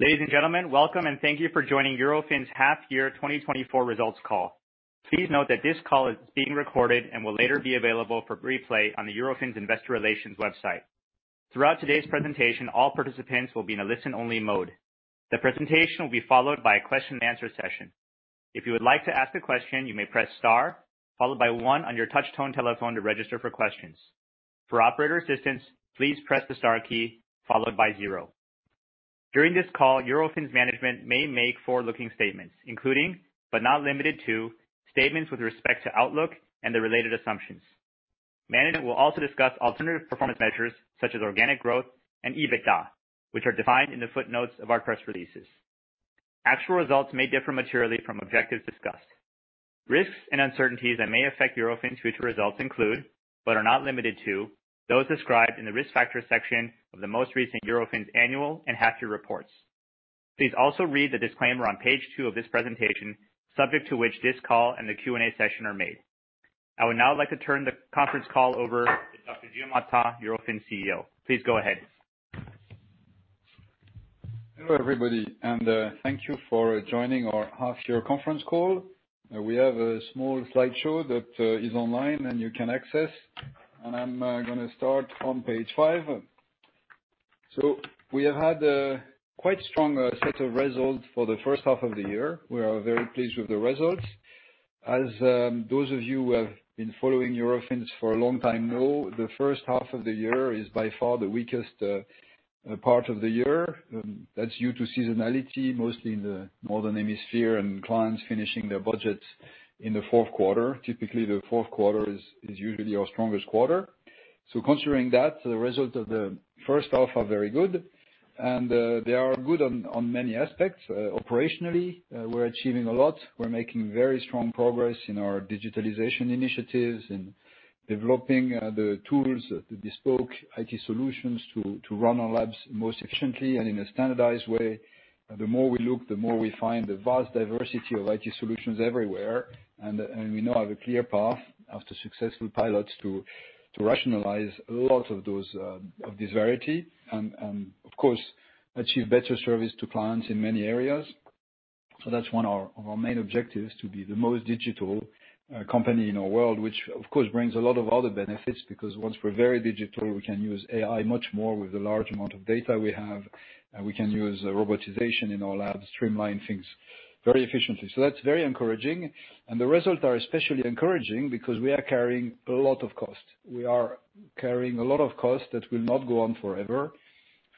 Ladies, and gentlemen, welcome and thank you for joining Eurofins' Half-Year 2024 Results Call. Please note that this call is being recorded and will later be available for replay on the Eurofins Investor Relations website. Throughout today's presentation, all participants will be in a listen-only mode. The presentation will be followed by a question-and-answer session. If you would like to ask a question, you may press star, followed by one on your touch-tone telephone to register for questions. For operator assistance, please press the star key, followed by zero. During this call, Eurofins management may make forward-looking statements, including, but not limited to, statements with respect to Outlook and the related assumptions. Management will also discuss alternative performance measures such as organic growth and EBITDA, which are defined in the footnotes of our press releases. Actual results may differ materially from objectives discussed. Risks and uncertainties that may affect Eurofins' future results include, but are not limited to, those described in the risk factors section of the most recent Eurofins' annual and half-year reports. Please also read the disclaimer on page two of this presentation, subject to which this call and the Q&A session are made. I would now like to turn the conference call over to Dr. Gilles Martin, Eurofins CEO. Please go ahead. Hello, everybody, and thank you for joining our half-year conference call. We have a small slideshow that is online and you can access, and I'm going to start on page five. We have had a quite strong set of results for the first half of the year. We are very pleased with the results. As those of you who have been following Eurofins for a long time know, the first half of the year is by far the weakest part of the year. That's due to seasonality, mostly in the northern hemisphere, and clients finishing their budgets in the fourth quarter. Typically, the fourth quarter is usually our strongest quarter. Considering that, the results of the first half are very good, and they are good on many aspects. Operationally, we're achieving a lot. We're making very strong progress in our digitalization initiatives and developing the tools, the bespoke IT solutions to run our labs most efficiently and in a standardized way. The more we look, the more we find the vast diversity of IT solutions everywhere, and we now have a clear path after successful pilots to rationalize a lot of this variety and, of course, achieve better service to clients in many areas. So that's one of our main objectives: to be the most digital company in our world, which, of course, brings a lot of other benefits because once we're very digital, we can use AI much more with the large amount of data we have. We can use robotization in our labs, streamline things very efficiently. So that's very encouraging, and the results are especially encouraging because we are carrying a lot of cost. We are carrying a lot of cost that will not go on forever.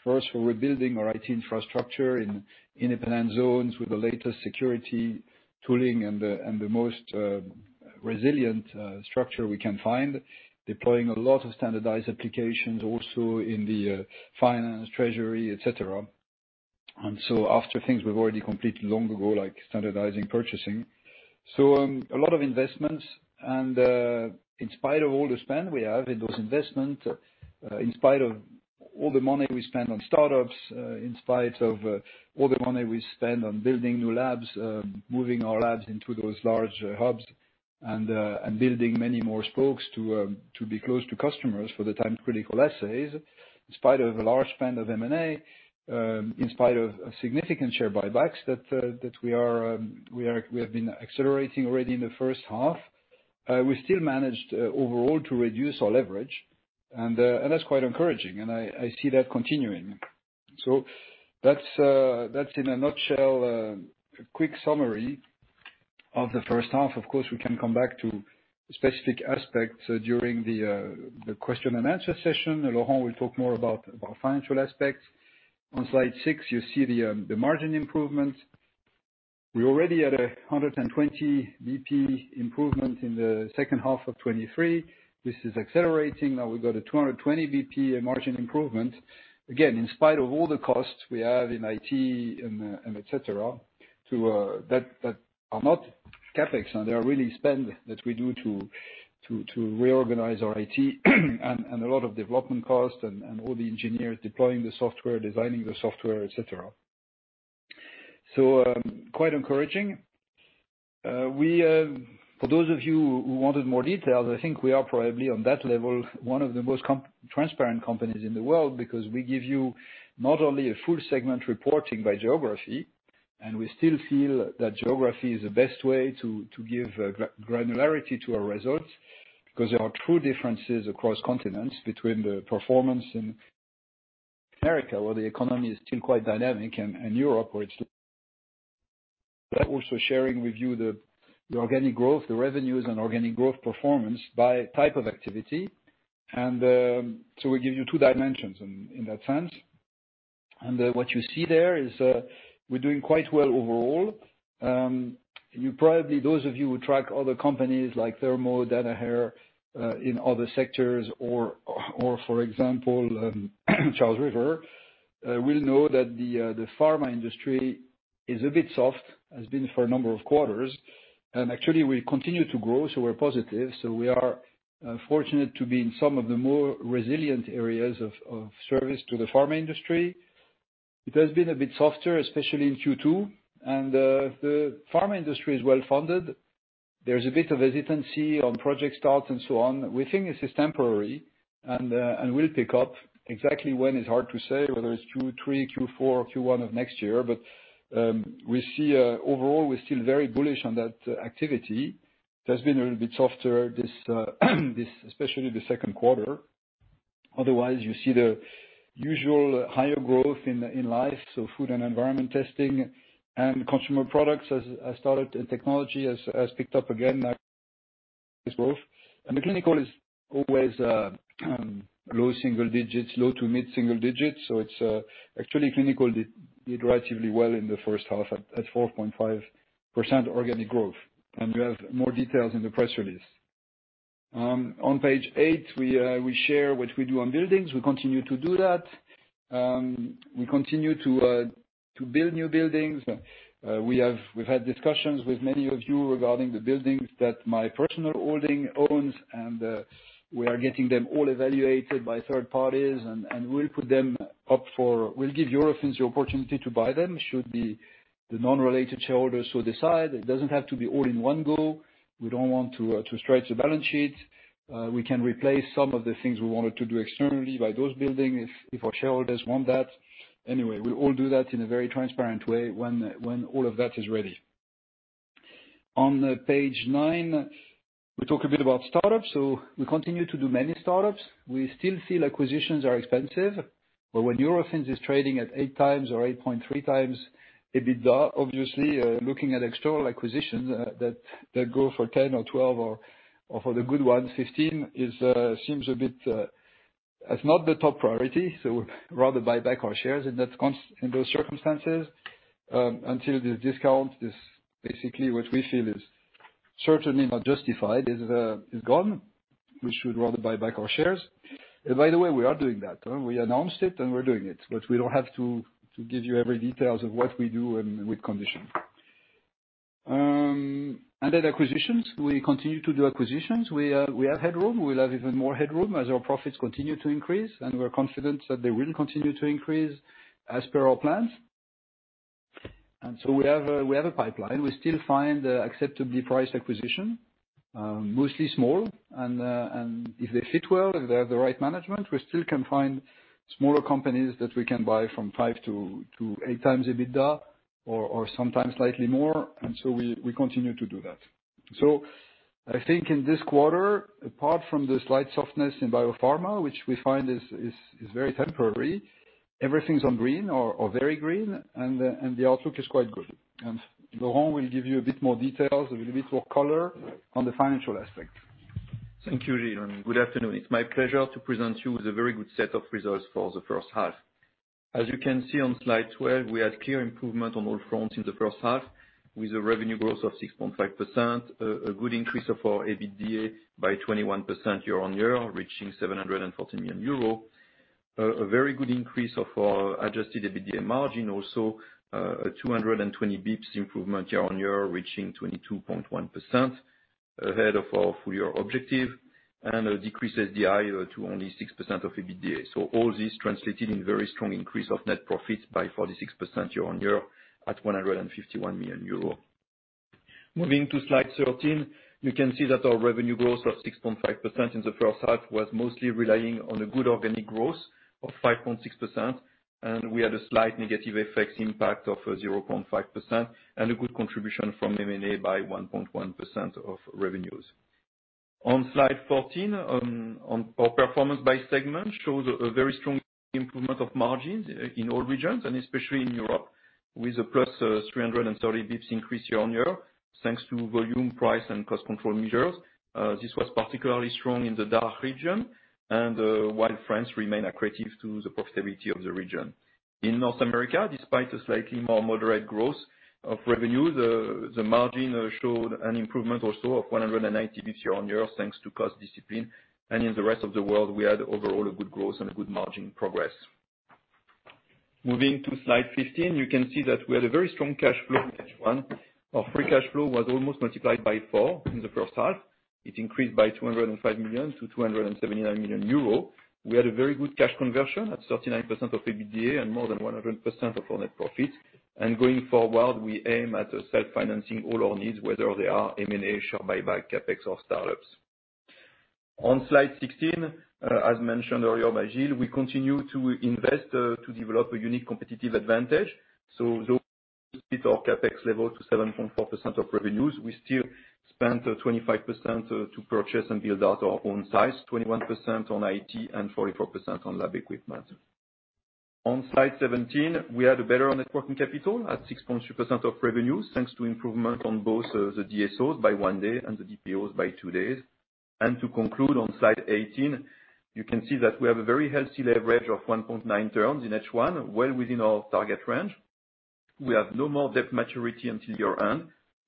First, we're rebuilding our IT infrastructure in independent zones with the latest security tooling and the most resilient structure we can find, deploying a lot of standardized applications also in the finance, treasury, et cetera. And so after things we've already completed long ago, like standardizing purchasing. So a lot of investments, and in spite of all the spend we have in those investments, in spite of all the money we spend on startups, in spite of all the money we spend on building new labs, moving our labs into those large hubs, and building many more spokes to be close to customers for the time-critical assays, in spite of a large spend of M&A, in spite of significant share buybacks that we have been accelerating already in the first half, we still managed overall to reduce our leverage, and that's quite encouraging, and I see that continuing. So that's, in a nutshell, a quick summary of the first half. Of course, we can come back to specific aspects during the question-and-answer session. Laurent will talk more about financial aspects. On slide 6, you see the margin improvement. We already had a 120 BP improvement in the second half of 2023. This is accelerating. Now we've got a 220 BP margin improvement. Again, in spite of all the costs we have in IT, et cetera, that are not CapEx, and they are really spend that we do to reorganize our IT and a lot of development costs and all the engineers deploying the software, designing the software, et cetera. So quite encouraging. For those of you who wanted more details, I think we are probably on that level one of the most transparent companies in the world because we give you not only a full segment reporting by geography, and we still feel that geography is the best way to give granularity to our results because there are true differences across continents between the performance in America where the economy is still quite dynamic and Europe where it's less. We're also sharing with you the organic growth, the revenues, and organic growth performance by type of activity. So we give you two dimensions in that sense. What you see there is we're doing quite well overall. You probably, those of you who track other companies like Thermo, Danaher in other sectors, or, for example, Charles River, will know that the pharma industry is a bit soft, has been for a number of quarters, and actually we continue to grow, so we're positive. We are fortunate to be in some of the more resilient areas of service to the pharma industry. It has been a bit softer, especially in Q2, and the pharma industry is well-funded. There's a bit of hesitancy on project starts and so on. We think this is temporary and will pick up. Exactly when is hard to say, whether it's Q3, Q4, Q1 of next year, but we see overall we're still very bullish on that activity. It has been a little bit softer, especially the second quarter. Otherwise, you see the usual higher growth in like, so Food and Environment Testing and Consumer Products have started, and Technology has picked up again. And the Clinical is always low single digits, low to mid single digits. So it's actually Clinical did relatively well in the first half at 4.5% organic growth, and you have more details in the press release. On page eight, we share what we do on buildings. We continue to do that. We continue to build new buildings. We've had discussions with many of you regarding the buildings that my personal holding owns, and we are getting them all evaluated by third parties, and we'll give Eurofins the opportunity to buy them should the non-related shareholders so decide. It doesn't have to be all in one go. We don't want to stretch the balance sheet. We can replace some of the things we wanted to do externally by those buildings if our shareholders want that. Anyway, we'll all do that in a very transparent way when all of that is ready. On page nine, we talk a bit about startups. So we continue to do many startups. We still feel acquisitions are expensive, but when Eurofins is trading at 8x or 8.3x EBITDA, obviously, looking at external acquisitions that go for 10 or 12 or, for the good ones, 15, seems a bit as not the top priority, so we'd rather buy back our shares in those circumstances until this discount, basically what we feel is certainly not justified, is gone. We should rather buy back our shares. By the way, we are doing that. We announced it, and we're doing it, but we don't have to give you every detail of what we do and with conditions. Then acquisitions. We continue to do acquisitions. We have headroom. We'll have even more headroom as our profits continue to increase, and we're confident that they will continue to increase as per our plans. So we have a pipeline. We still find acceptably priced acquisitions, mostly small, and if they fit well, if they have the right management, we still can find smaller companies that we can buy from 5x-8x EBITDA or sometimes slightly more. And so we continue to do that. So I think in this quarter, apart from the slight softness in biopharma, which we find is very temporary, everything's on green or very green, and the outlook is quite good. And Laurent will give you a bit more details, a little bit more color on the financial aspect. Thank you, Gilles. Good afternoon. It's my pleasure to present you with a very good set of results for the first half. As you can see on slide 12, we had clear improvement on all fronts in the first half with a revenue growth of 6.5%, a good increase of our EBITDA by 21% year-on-year, reaching 740 million euro, a very good increase of our Adjusted EBITDA margin, also a 220 basis points improvement year-on-year, reaching 22.1% ahead of our full-year objective, and a decreased SDI to only 6% of EBITDA. So all these translated in a very strong increase of net profits by 46% year-on-year at 151 million euro. Moving to slide 13, you can see that our revenue growth of 6.5% in the first half was mostly relying on a good organic growth of 5.6%, and we had a slight negative FX impact of 0.5% and a good contribution from M&A by 1.1% of revenues. On slide 14, our performance by segment shows a very strong improvement of margins in all regions, and especially in Europe, with a +330 basis points increase year-on-year thanks to volume, price, and cost control measures. This was particularly strong in the DACH region, and while France remained accretive to the profitability of the region. In North America, despite a slightly more moderate growth of revenues, the margin showed an improvement also of 190 basis points year-on-year thanks to cost discipline. In the rest of the world, we had overall a good growth and a good margin progress. Moving to slide 15, you can see that we had a very strong cash flow in H1. Our free cash flow was almost multiplied by four in the first half. It increased by 205 million-279 million euro. We had a very good cash conversion at 39% of EBITDA and more than 100% of our net profits. Going forward, we aim at self-financing all our needs, whether they are M&A, share buyback, CapEx, or startups. On slide 16, as mentioned earlier by Gilles, we continue to invest to develop a unique competitive advantage. Though we hit our CapEx level to 7.4% of revenues, we still spent 25% to purchase and build out our own sites, 21% on IT, and 44% on lab equipment. On slide 17, we had a better net working capital at 6.2% of revenues thanks to improvement on both the DSOs by one day and the DPOs by two days. To conclude on slide 18, you can see that we have a very healthy leverage of 1.9 turns in H1, well within our target range. We have no more debt maturity until year-end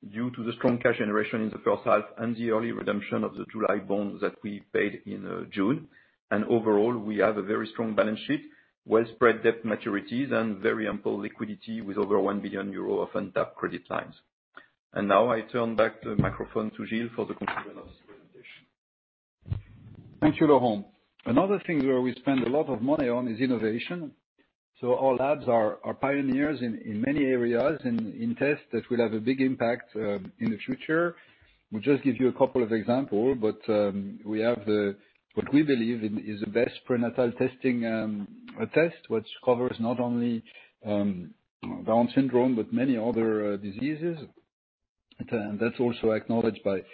due to the strong cash generation in the first half and the early redemption of the July bond that we paid in June. Overall, we have a very strong balance sheet, well-spread debt maturities, and very ample liquidity with over 1 billion euro of untapped credit lines. Now I turn back the microphone to Gilles for the conclusion of this presentation. Thank you, Laurent. Another thing where we spend a lot of money on is innovation. So our labs are pioneers in many areas in tests that will have a big impact in the future. We'll just give you a couple of examples, but we have what we believe is the best prenatal testing test, which covers not only Down syndrome but many other diseases. And that's also acknowledged by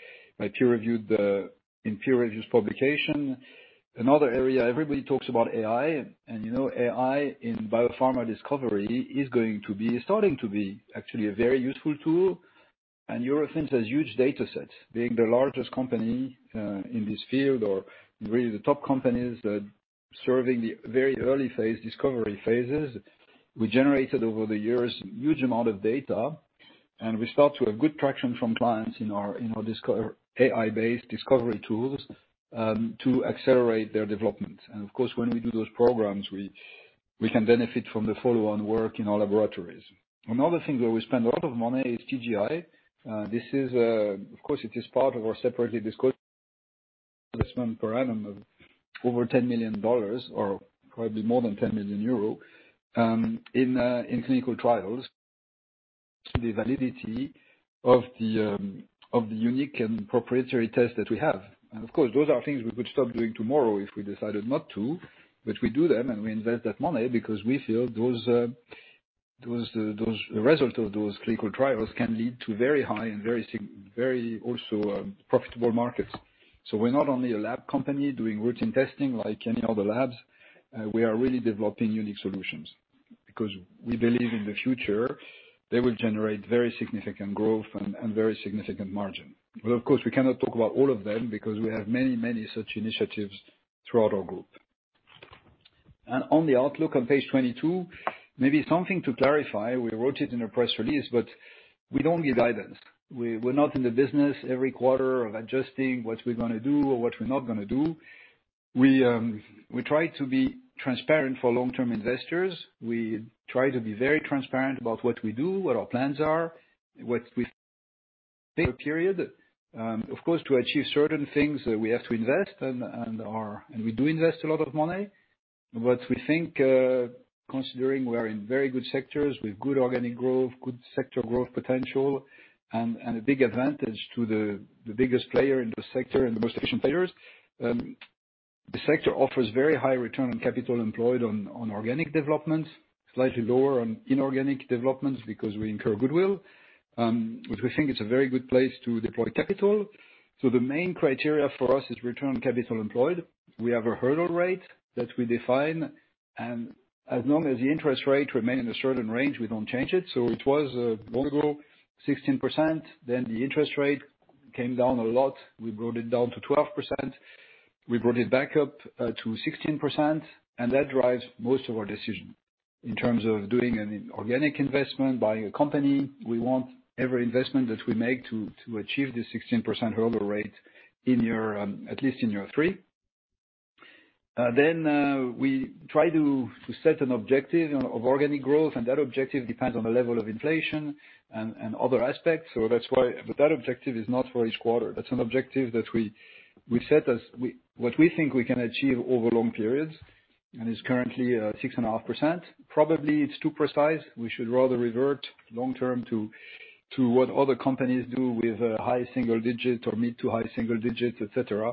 peer-reviewed in peer-reviewed publications. Another area, everybody talks about AI, and AI in biopharma discovery is going to be starting to be actually a very useful tool. And Eurofins has huge datasets, being the largest company in this field or really the top companies serving the very early phase discovery phases. We generated over the years a huge amount of data, and we start to have good traction from clients in our AI-based discovery tools to accelerate their development. And of course, when we do those programs, we can benefit from the follow-on work in our laboratories. Another thing where we spend a lot of money is TGI. Of course, it is part of our separately discussed investment paradigm of over $10 million or probably more than 10 million euro in Clinical trials, the validity of the unique and proprietary tests that we have. And of course, those are things we could stop doing tomorrow if we decided not to, but we do them and we invest that money because we feel the result of those Clinical trials can lead to very high and very also profitable markets. So we're not only a lab company doing routine testing like any other labs. We are really developing unique solutions because we believe in the future they will generate very significant growth and very significant margin. But of course, we cannot talk about all of them because we have many, many such initiatives throughout our group. On the outlook on page 22, maybe something to clarify. We wrote it in a press release, but we don't give guidance. We're not in the business every quarter of adjusting what we're going to do or what we're not going to do. We try to be transparent for long-term investors. We try to be very transparent about what we do, what our plans are, what we think. Period. Of course, to achieve certain things, we have to invest, and we do invest a lot of money. We think, considering we are in very good sectors with good organic growth, good sector growth potential, and a big advantage to the biggest player in the sector and the most efficient players, the sector offers very high return on capital employed on organic developments, slightly lower on inorganic developments because we incur goodwill, which we think is a very good place to deploy capital. The main criteria for us is return on capital employed. We have a hurdle rate that we define, and as long as the interest rate remains in a certain range, we don't change it. It was long ago 16%, then the interest rate came down a lot. We brought it down to 12%. We brought it back up to 16%, and that drives most of our decision. In terms of doing an organic investment, buying a company, we want every investment that we make to achieve the 16% hurdle rate at least in year three. Then we try to set an objective of organic growth, and that objective depends on the level of inflation and other aspects. So that's why that objective is not for each quarter. That's an objective that we set as what we think we can achieve over long periods, and it's currently 6.5%. Probably it's too precise. We should rather revert long-term to what other companies do with high single digit or mid to high single digit, et cetera.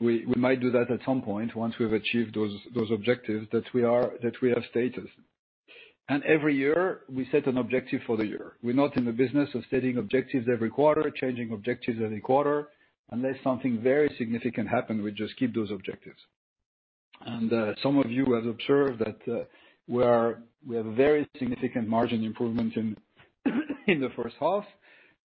We might do that at some point once we've achieved those objectives that we have stated. And every year, we set an objective for the year. We're not in the business of setting objectives every quarter, changing objectives every quarter. Unless something very significant happens, we just keep those objectives. Some of you have observed that we have a very significant margin improvement in the first half.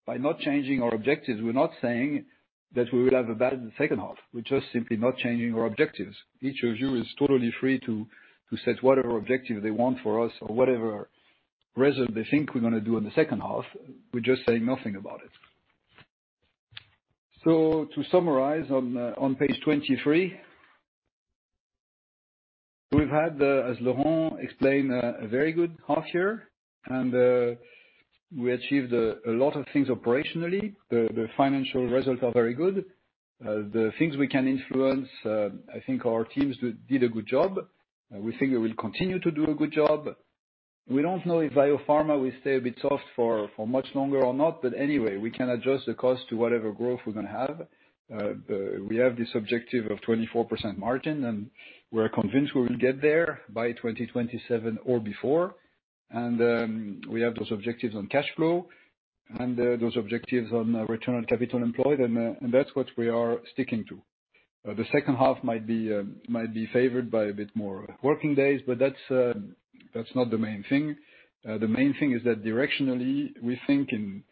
By not changing our objectives, we're not saying that we will have a bad second half. We're just simply not changing our objectives. Each of you is totally free to set whatever objective they want for us or whatever result they think we're going to do in the second half. We're just saying nothing about it. To summarize on page 23, we've had, as Laurent explained, a very good half year, and we achieved a lot of things operationally. The financial results are very good. The things we can influence, I think our teams did a good job. We think we will continue to do a good job. We don't know if biopharma will stay a bit soft for much longer or not, but anyway, we can adjust the cost to whatever growth we're going to have. We have this objective of 24% margin, and we're convinced we will get there by 2027 or before. We have those objectives on cash flow and those objectives on return on capital employed, and that's what we are sticking to. The second half might be favored by a bit more working days, but that's not the main thing. The main thing is that directionally, we think in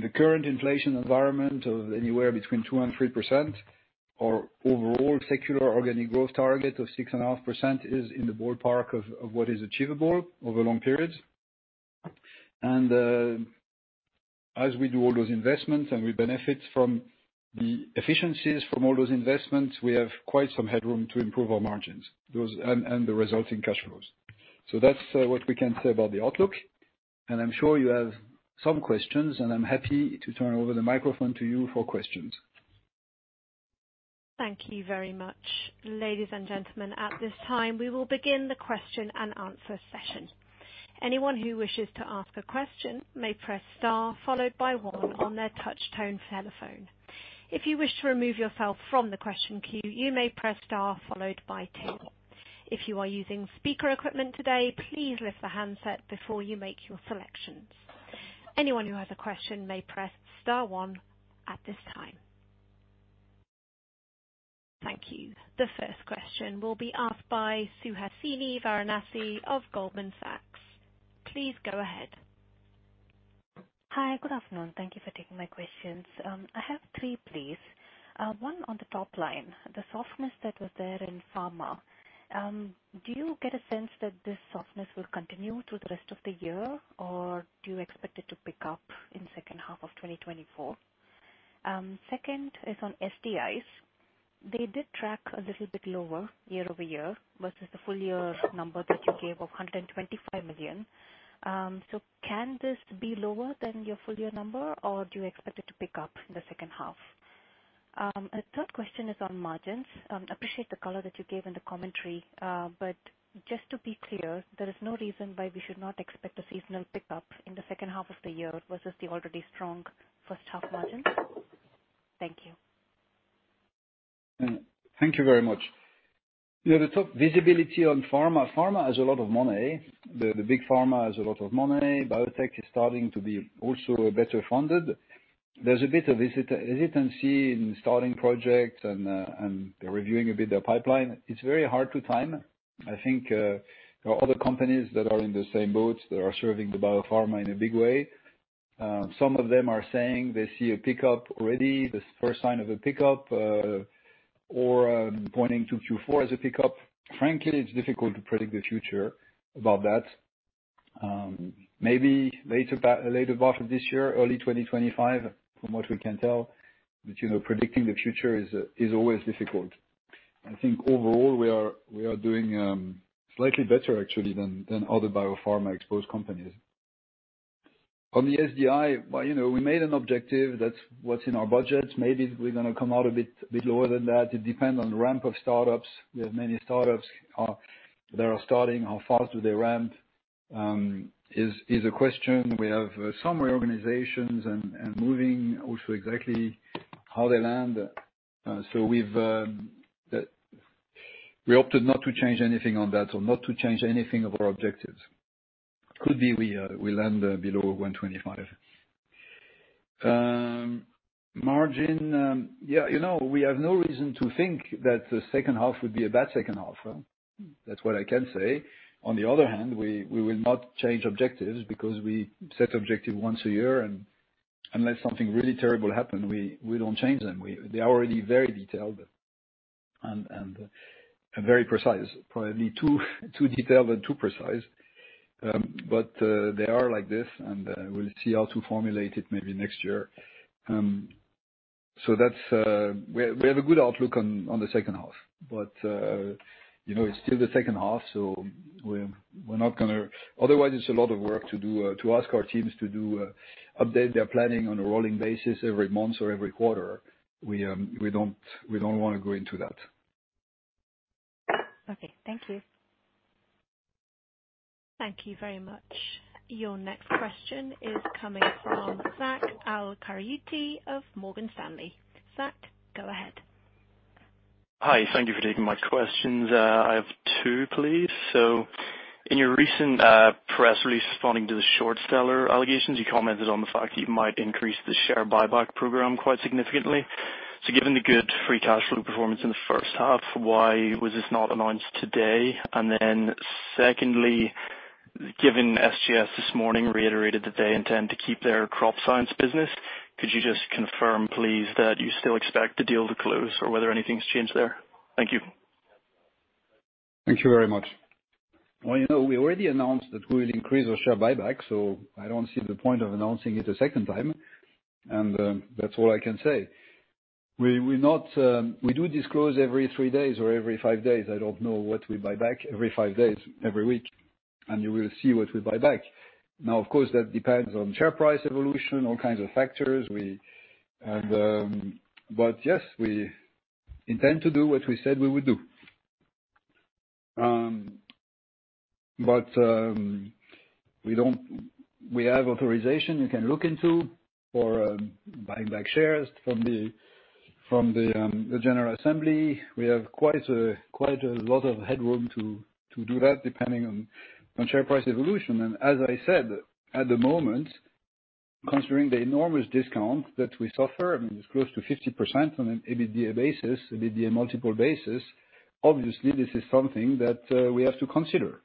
the current inflation environment of anywhere between 2%-3%, our overall secular organic growth target of 6.5% is in the ballpark of what is achievable over long periods. As we do all those investments and we benefit from the efficiencies from all those investments, we have quite some headroom to improve our margins and the resulting cash flows. That's what we can say about the outlook. I'm sure you have some questions, and I'm happy to turn over the microphone to you for questions. Thank you very much, ladies, and gentlemen. At this time, we will begin the question and answer session. Anyone who wishes to ask a question may press star followed by one on their touch tone telephone. If you wish to remove yourself from the question queue, you may press star followed by two. If you are using speaker equipment today, please lift the handset before you make your selections. Anyone who has a question may press star one at this time. Thank you. The first question will be asked by Suhasini Varanasi of Goldman Sachs. Please go ahead. Hi, good afternoon. Thank you for taking my questions. I have three, please. One on the top line, the softness that was there in pharma. Do you get a sense that this softness will continue through the rest of the year, or do you expect it to pick up in the second half of 2024? Second is on SDIs. They did track a little bit lower year-over-year versus the full-year number that you gave of 125 million. So can this be lower than your full-year number, or do you expect it to pick up in the second half? The third question is on margins. I appreciate the color that you gave in the commentary, but just to be clear, there is no reason why we should not expect a seasonal pickup in the second half of the year versus the already strong first half margins. Thank you. Thank you very much. The top visibility on pharma, pharma has a lot of money. The big pharma has a lot of money. Biotech is starting to be also better funded. There's a bit of hesitancy in starting projects, and they're reviewing a bit their pipeline. It's very hard to time. I think there are other companies that are in the same boat that are serving the biopharma in a big way. Some of them are saying they see a pickup already, the first sign of a pickup, or pointing to Q4 as a pickup. Frankly, it's difficult to predict the future about that. Maybe later part of this year, early 2025, from what we can tell, but predicting the future is always difficult. I think overall, we are doing slightly better, actually, than other biopharma-exposed companies. On the SDI, we made an objective. That's what's in our budgets. Maybe we're going to come out a bit lower than that. It depends on the ramp of startups. We have many startups that are starting. How fast do they ramp is a question. We have some reorganizations and moving also exactly how they land. So we opted not to change anything on that or not to change anything of our objectives. Could be we land below 125. Margin, yeah, we have no reason to think that the second half would be a bad second half. That's what I can say. On the other hand, we will not change objectives because we set objectives once a year, and unless something really terrible happens, we don't change them. They are already very detailed and very precise, probably too detailed and too precise. But they are like this, and we'll see how to formulate it maybe next year. So we have a good outlook on the second half, but it's still the second half, so we're not going to otherwise. It's a lot of work to ask our teams to update their planning on a rolling basis every month or every quarter. We don't want to go into that. Okay. Thank you. Thank you very much. Your next question is coming from Zach Al-Qaryooti of Morgan Stanley. Zach, go ahead. Hi. Thank you for taking my questions. I have two, please. So in your recent press release responding to the short seller allegations, you commented on the fact that you might increase the share buyback program quite significantly. So given the good free cash flow performance in the first half, why was this not announced today? And then secondly, given SGS this morning reiterated that they intend to keep their Crop Science business, could you just confirm, please, that you still expect the deal to close or whether anything's changed there? Thank you. Thank you very much. We already announced that we will increase our share buyback, so I don't see the point of announcing it a second time. That's all I can say. We do disclose every three days or every five days. I don't know what we buy back every five days, every week, and you will see what we buy back. Now, of course, that depends on share price evolution, all kinds of factors. Yes, we intend to do what we said we would do. We have authorization you can look into for buying back shares from the general assembly. We have quite a lot of headroom to do that depending on share price evolution. As I said, at the moment, considering the enormous discount that we suffer, I mean, it's close to 50% on an EBITDA basis, EBITDA multiple basis, obviously, this is something that we have to consider.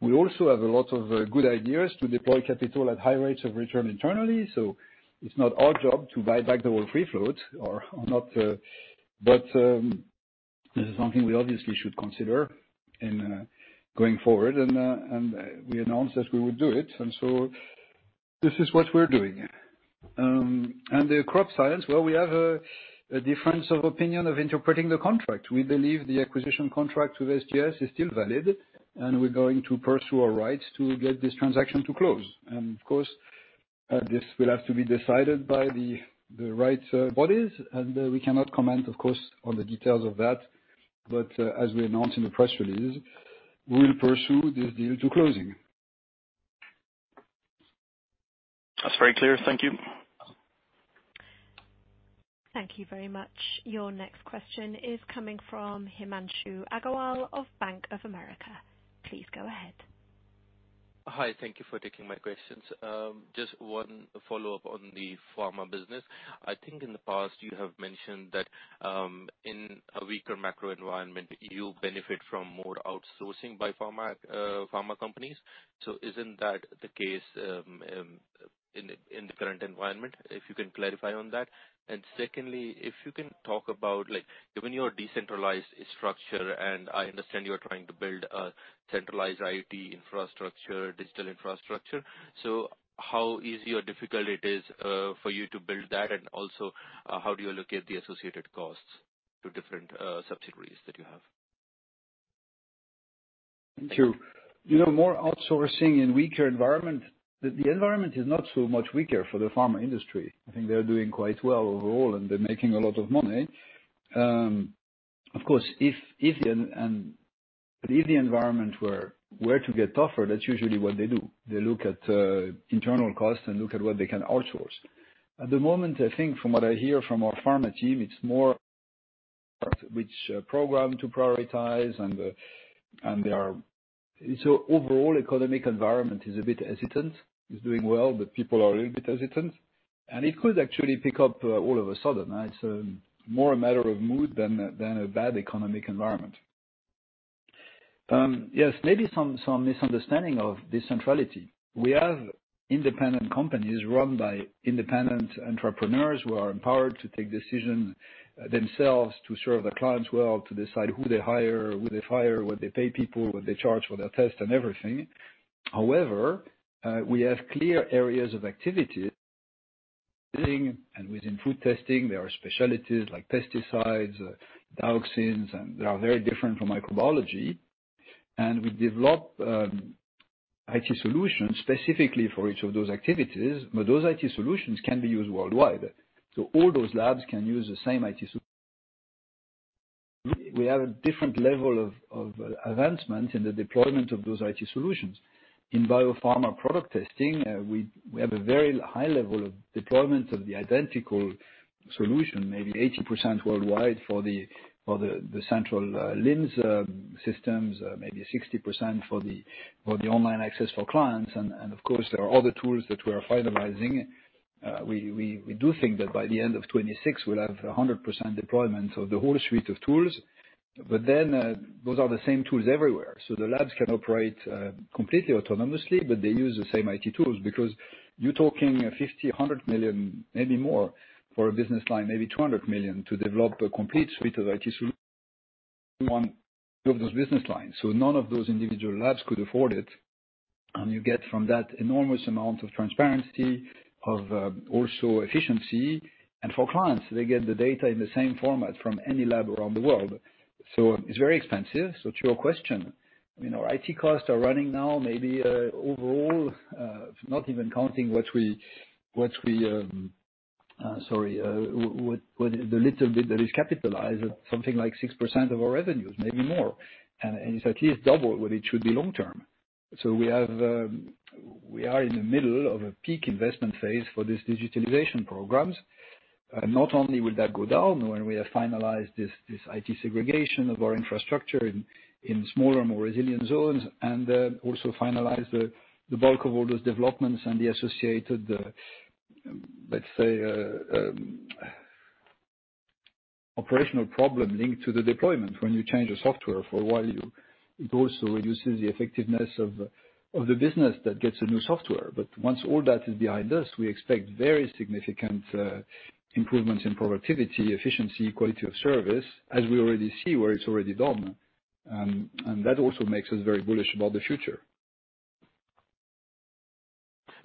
We also have a lot of good ideas to deploy capital at high rates of return internally. So it's not our job to buy back the whole free float, but this is something we obviously should consider going forward, and we announced that we would do it. And so this is what we're doing. And the Crop Science, well, we have a difference of opinion of interpreting the contract. We believe the acquisition contract with SGS is still valid, and we're going to pursue our rights to get this transaction to close. And of course, this will have to be decided by the right bodies. We cannot comment, of course, on the details of that. As we announced in the press release, we will pursue this deal to closing. That's very clear. Thank you. Thank you very much. Your next question is coming from Himanshu Agarwal of Bank of America. Please go ahead. Hi. Thank you for taking my questions. Just one follow-up on the pharma business. I think in the past, you have mentioned that in a weaker macro environment, you benefit from more outsourcing by pharma companies. So isn't that the case in the current environment? If you can clarify on that. And secondly, if you can talk about given your decentralized structure, and I understand you are trying to build a centralized IT infrastructure, digital infrastructure. So how easy or difficult it is for you to build that? And also, how do you allocate the associated costs to different subsidiaries that you have? Thank you. More outsourcing in a weaker environment, the environment is not so much weaker for the pharma industry. I think they're doing quite well overall, and they're making a lot of money. Of course, if the environment were to get tougher, that's usually what they do. They look at internal costs and look at what they can outsource. At the moment, I think from what I hear from our pharma team, it's more which program to prioritize. And so overall, the economic environment is a bit hesitant. It's doing well, but people are a little bit hesitant. And it could actually pick up all of a sudden. It's more a matter of mood than a bad economic environment. Yes, maybe some misunderstanding of decentrality. We have independent companies run by independent entrepreneurs who are empowered to take decisions themselves to serve the client's world, to decide who they hire, who they fire, what they pay people, what they charge for their tests, and everything. However, we have clear areas of activity. And within food testing, there are specialties like pesticides, dioxins, and they are very different from microbiology. And we develop IT solutions specifically for each of those activities. But those IT solutions can be used worldwide. So all those labs can use the same IT solution. We have a different level of advancement in the deployment of those IT solutions. In BioPharma Product Testing, we have a very high level of deployment of the identical solution, maybe 80% worldwide for the central LIMS systems, maybe 60% for the online access for clients. And of course, there are other tools that we are finalizing. We do think that by the end of 2026, we'll have 100% deployment of the whole suite of tools. But then those are the same tools everywhere. So the labs can operate completely autonomously, but they use the same IT tools because you're talking 50 million-100 million, maybe more for a business line, maybe 200 million to develop a complete suite of IT solutions on those business lines. So none of those individual labs could afford it. And you get from that enormous amount of transparency, of also efficiency. And for clients, they get the data in the same format from any lab around the world. So it's very expensive. So to your question, I mean, our IT costs are running now maybe overall, not even counting what we—sorry, the little bit that is capitalized, something like 6% of our revenues, maybe more. It's at least double what it should be long term. We are in the middle of a peak investment phase for these digitalization programs. Not only will that go down when we have finalized this IT segregation of our infrastructure in smaller, more resilient zones, and also finalize the bulk of all those developments and the associated, let's say, operational problems linked to the deployment when you change the software for a while. It also reduces the effectiveness of the business that gets a new software. But once all that is behind us, we expect very significant improvements in productivity, efficiency, quality of service, as we already see where it's already done. That also makes us very bullish about the future.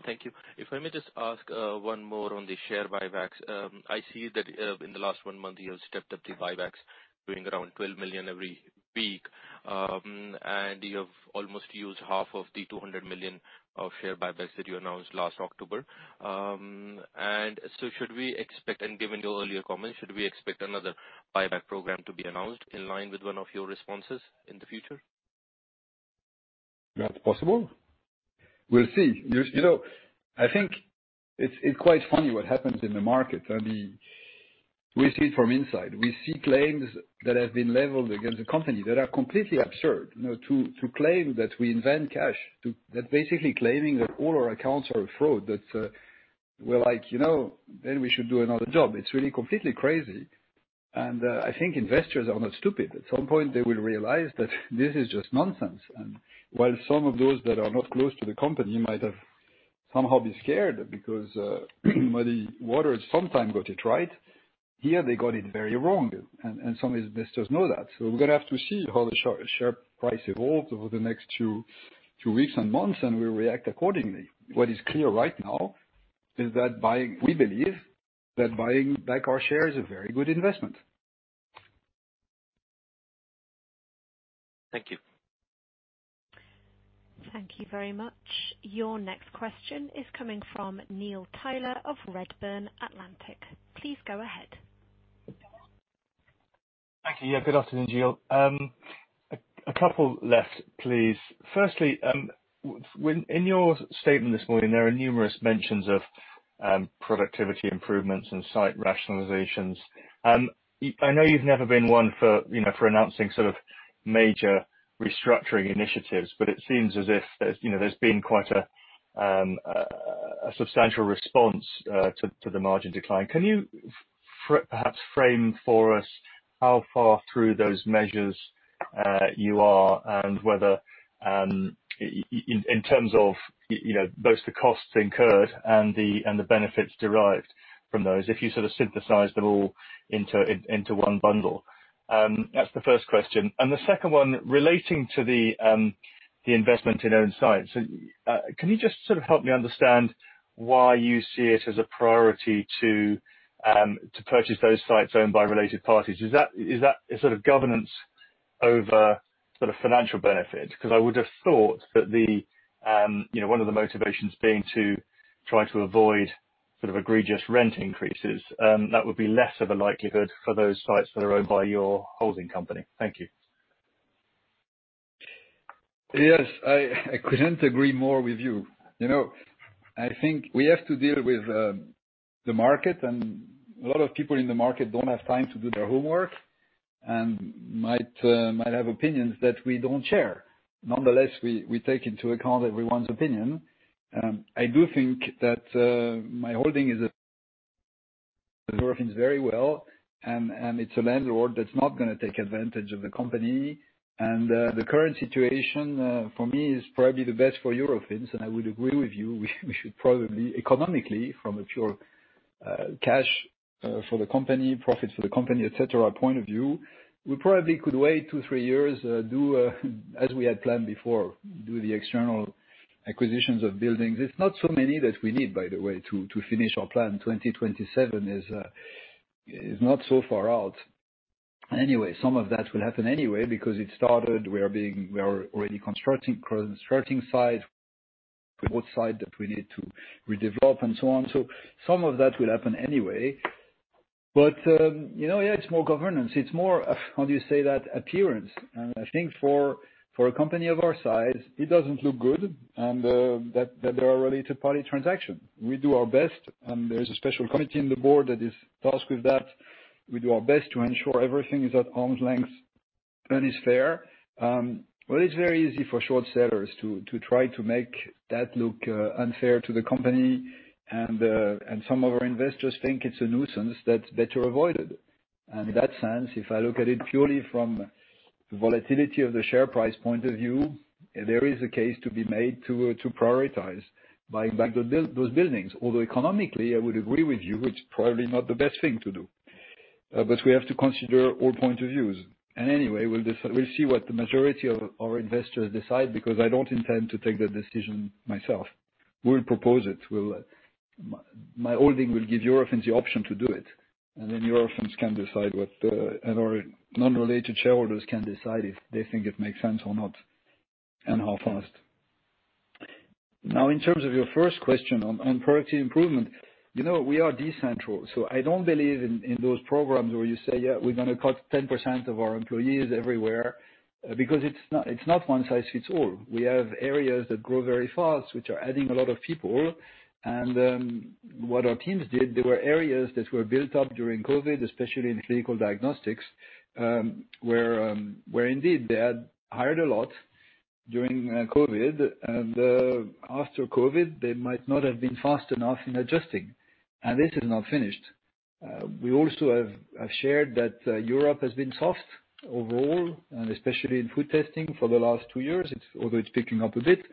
Thank you. If I may just ask one more on the share buybacks. I see that in the last one month, you have stepped up the buybacks, doing around 12 million every week. You have almost used half of the 200 million of share buybacks that you announced last October. So should we expect—and given your earlier comments—should we expect another buyback program to be announced in line with one of your responses in the future? That's possible. We'll see. I think it's quite funny what happens in the market. We see it from inside. We see claims that have been leveled against the company that are completely absurd. To claim that we invent cash, that basically claiming that all our accounts are a fraud, that we're like, "Then we should do another job." It's really completely crazy. And I think investors are not stupid. At some point, they will realize that this is just nonsense. And while some of those that are not close to the company might have somehow been scared because Muddy Waters sometimes got it right, here they got it very wrong. And some investors know that. So we're going to have to see how the share price evolves over the next few weeks and months, and we'll react accordingly. What is clear right now is that we believe that buying back our shares is a very good investment. Thank you. Thank you very much. Your next question is coming from Neil Tyler of Redburn Atlantic. Please go ahead. Thank you. Yeah, good afternoon, Gilles. A couple left, please. Firstly, in your statement this morning, there are numerous mentions of productivity improvements and site rationalizations. I know you've never been one for announcing sort of major restructuring initiatives, but it seems as if there's been quite a substantial response to the margin decline. Can you perhaps frame for us how far through those measures you are and whether, in terms of both the costs incurred and the benefits derived from those, if you sort of synthesize them all into one bundle? That's the first question. And the second one, relating to the investment in owned sites. Can you just sort of help me understand why you see it as a priority to purchase those sites owned by related parties? Is that sort of governance over sort of financial benefit? Because I would have thought that one of the motivations being to try to avoid sort of egregious rent increases, that would be less of a likelihood for those sites that are owned by your holding company. Thank you. Yes, I couldn't agree more with you. I think we have to deal with the market, and a lot of people in the market don't have time to do their homework and might have opinions that we don't share. Nonetheless, we take into account everyone's opinion. I do think that my holding is Eurofins very well, and it's a landlord that's not going to take advantage of the company. The current situation for me is probably the best for Eurofins, and I would agree with you. We should probably economically, from a pure cash for the company, profit for the company, et cetera, point of view, we probably could wait two, three years, as we had planned before, do the external acquisitions of buildings. It's not so many that we need, by the way, to finish our plan. 2027 is not so far out. Anyway, some of that will happen anyway because it started. We are already constructing sites. We have sites that we need to redevelop and so on. So some of that will happen anyway. But yeah, it's more governance. It's more, how do you say that, appearance. And I think for a company of our size, it doesn't look good that there are related party transactions. We do our best. There's a special committee on the board that is tasked with that. We do our best to ensure everything is at arm's length and is fair. Well, it's very easy for short sellers to try to make that look unfair to the company. And some of our investors think it's a nuisance that's better avoided. In that sense, if I look at it purely from the volatility of the share price point of view, there is a case to be made to prioritize buying back those buildings. Although economically, I would agree with you, it's probably not the best thing to do. We have to consider all points of view. Anyway, we'll see what the majority of our investors decide because I don't intend to take that decision myself. We'll propose it. My holding will give Europeans the option to do it. Then Europeans can decide what our non-related shareholders can decide if they think it makes sense or not and how fast. Now, in terms of your first question on productivity improvement, we are decentralized. I don't believe in those programs where you say, "Yeah, we're going to cut 10% of our employees everywhere," because it's not one size fits all. We have areas that grow very fast, which are adding a lot of people. And what our teams did, there were areas that were built up during COVID, especially in Clinical Diagnostics, where indeed they had hired a lot during COVID. And after COVID, they might not have been fast enough in adjusting. And this is not finished. We also have shared that Europe has been soft overall, and especially in food testing for the last two years, although it's picking up a bit.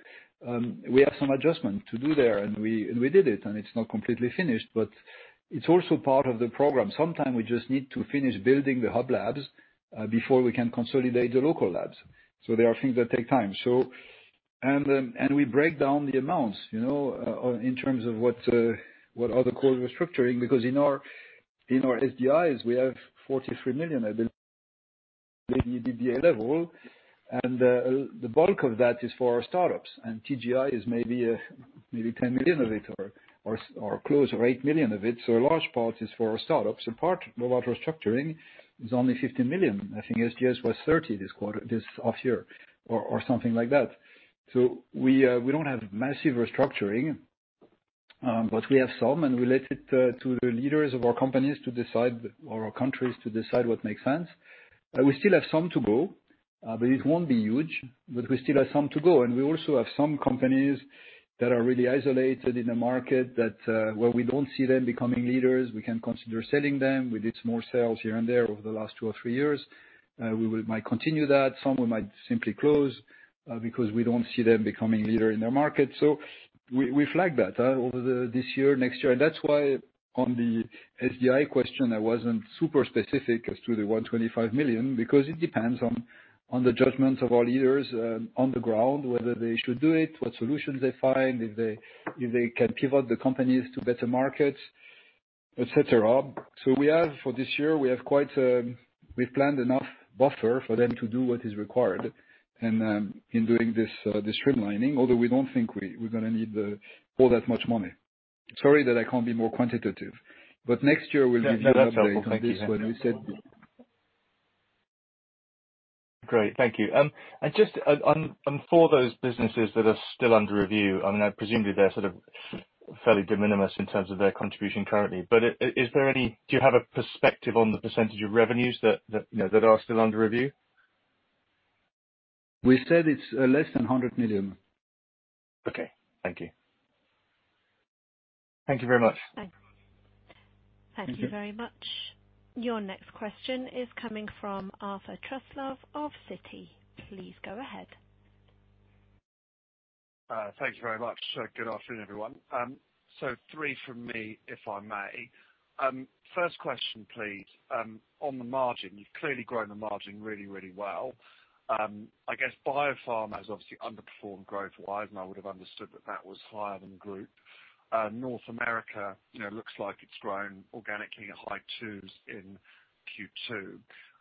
We have some adjustment to do there, and we did it. And it's not completely finished, but it's also part of the program. Sometimes we just need to finish building the hub labs before we can consolidate the local labs. So there are things that take time. We break down the amounts in terms of what are the core restructuring because in our SDIs, we have 43 million, I believe, maybe EBITDA level. And the bulk of that is for our startups. And TGI is maybe 10 million of it or close to 8 million of it. So a large part is for our startups. A part of our restructuring is only 15 million. I think SGS was 30 million this quarter, this half year, or something like that. So we don't have massive restructuring, but we have some, and we let it to the leaders of our companies to decide or our countries to decide what makes sense. We still have some to go, but it won't be huge. But we still have some to go. And we also have some companies that are really isolated in the market where we don't see them becoming leaders. We can consider selling them. We did small sales here and there over the last two or three years. We might continue that. Some we might simply close because we don't see them becoming leader in their market. So we flag that over this year, next year. And that's why on the SDI question, I wasn't super specific as to the 125 million because it depends on the judgments of our leaders on the ground, whether they should do it, what solutions they find, if they can pivot the companies to better markets, et cetera. So for this year, we have quite a buffer we've planned enough for them to do what is required in doing this streamlining, although we don't think we're going to need all that much money. Sorry that I can't be more quantitative. But next year, we'll give you an update on this when we said. Great. Thank you. And just for those businesses that are still under review, I mean, presumably they're sort of fairly de minimis in terms of their contribution currently. But do you have a perspective on the percentage of revenues that are still under review? We said it's less than 100 million. Okay. Thank you. Thank you very much. Thank you very much. Your next question is coming from Arthur Truslove of Citi. Please go ahead. Thank you very much. Good afternoon, everyone. So three from me, if I may. First question, please. On the margin, you've clearly grown the margin really, really well. I guess biopharma has obviously underperformed growth-wise, and I would have understood that that was higher than group. North America looks like it's grown organically at high twos in Q2.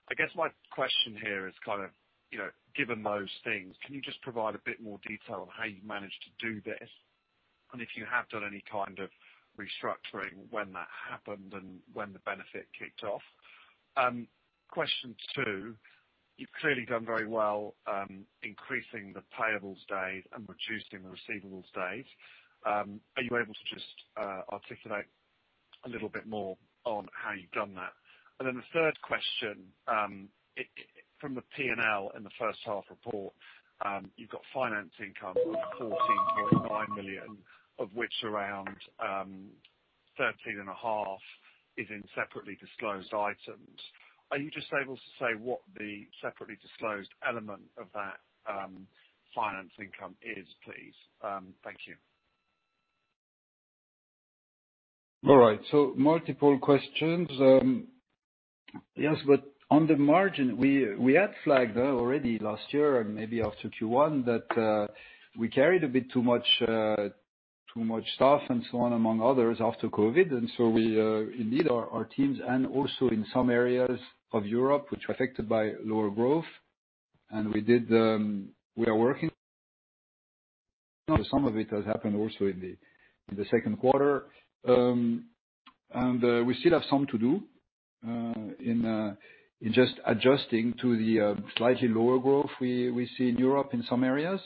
I guess my question here is kind of, given those things, can you just provide a bit more detail on how you managed to do this? And if you have done any kind of restructuring, when that happened and when the benefit kicked off? Question two, you've clearly done very well increasing the payables days and reducing the receivables days. Are you able to just articulate a little bit more on how you've done that? Then the third question, from the P&L in the first half report, you've got finance income of 14.9 million, of which around 13.5 million is in separately disclosed items. Are you just able to say what the separately disclosed element of that finance income is, please? Thank you. All right. So multiple questions. Yes, but on the margin, we had flagged already last year and maybe after Q1 that we carried a bit too much stuff and so on, among others, after COVID. And so we indeed, our teams and also in some areas of Europe, which were affected by lower growth, and we are working. Some of it has happened also in the second quarter. And we still have some to do in just adjusting to the slightly lower growth we see in Europe in some areas.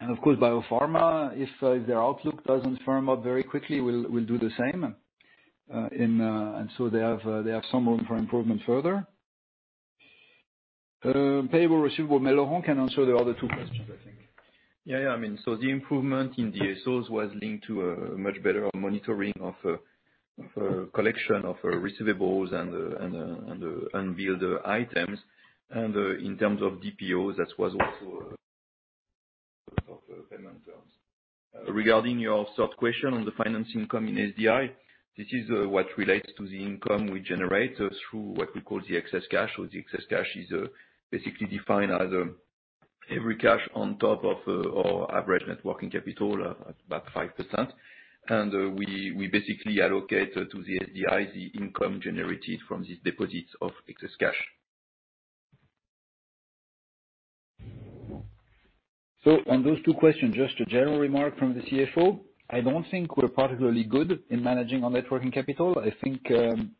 And of course, biopharma, if their outlook doesn't firm up very quickly, we'll do the same. And so they have some room for improvement further. Payable receivable, Laurent can answer the other two questions, I think. Yeah, yeah. I mean, so the improvement in the DSOs was linked to a much better monitoring of collection of receivables and unbilled items. In terms of DPOs, that was also regarding your third question on the financing income in SDI. This is what relates to the income we generate through what we call the excess cash. The excess cash is basically defined as every cash on top of our average working capital, about 5%. And we basically allocate to the SDIs the income generated from these deposits of excess cash. So on those two questions, just a general remark from the CFO. I don't think we're particularly good in managing our working capital. I think